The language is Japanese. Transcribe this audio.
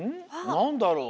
なんだろう？